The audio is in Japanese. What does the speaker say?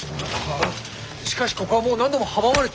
しかしここはもう何度も阻まれて。